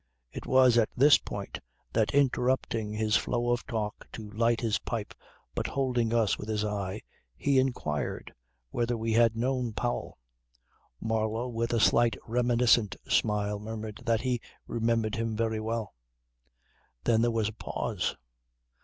It was at this point that interrupting his flow of talk to light his pipe but holding us with his eye he inquired whether we had known Powell. Marlow with a slight reminiscent smile murmured that he "remembered him very well." Then there was a pause.